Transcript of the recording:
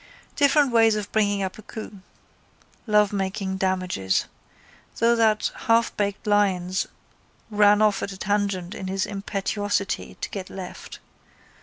Different ways of bringing off a coup. Lovemaking damages. Though that halfbaked Lyons ran off at a tangent in his impetuosity to get left.